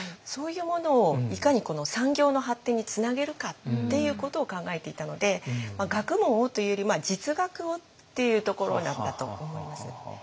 そういうものをいかに産業の発展につなげるかっていうことを考えていたので学問をというより実学をっていうところだったと思います。